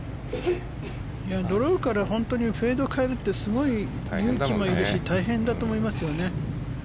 ドローからフェードに変えるってすごい勇気がいるし大変だと思いますよね。